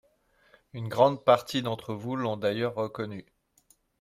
Une grande partie d’entre vous l’ont d’ailleurs reconnu.